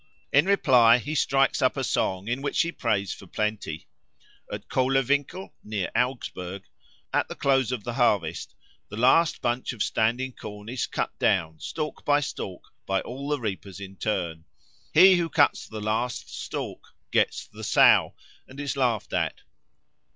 In reply he strikes up a song, in which he prays for plenty. At Kohlerwinkel, near Augsburg, at the close of the harvest, the last bunch of standing corn is cut down, stalk by stalk, by all the reapers in turn. He who cuts the last stalk "gets the Sow," and is laughed at.